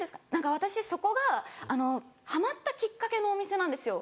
私そこがハマったきっかけのお店なんですよ。